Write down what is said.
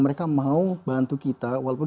mereka mau bantu kita walaupun